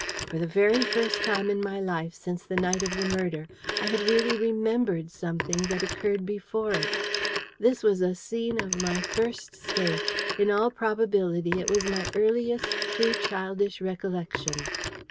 For the very first time in my life, since the night of the murder, I had really REMEMBERED something that occurred before it. This was a scene of my First State. In all probability it was my earliest true childish recollection.